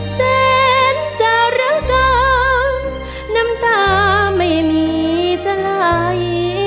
เส้นจรกรรมน้ำตาไม่มีจลาย